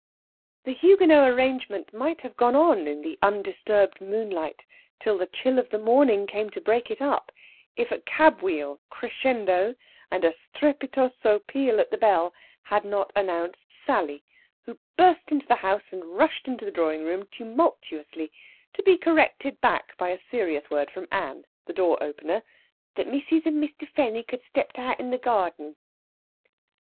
The Huguenot arrangement might have gone on in the undisturbed moonlight till the chill of the morning came to break it up if a cab wheel crescendo and a strepitoso peal at the bell had not announced Sally, who burst into the house and rushed into the drawing room tumultuously, to be corrected back by a serious word from Ann, the door opener, that Missis and Mr. Fenwick had stepped out in the garden.